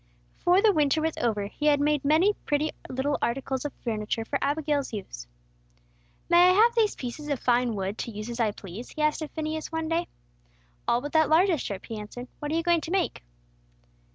Before the winter was over, he had made many pretty little articles of furniture for Abigail's use. "May I have these pieces of fine wood to use as I please?" he asked of Phineas, one day. "All but that largest strip," he answered. "What are you going to make?"